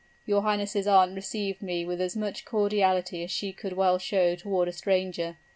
Your highness' aunt received me with as much cordiality as she could well show toward a stranger.